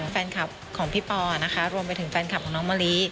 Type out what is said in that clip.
แฟนคลับของพี่ปอนะคะรวมไปถึงแฟนคลับของน้องมะลิ